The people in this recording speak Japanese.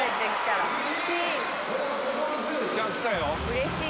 うれしい！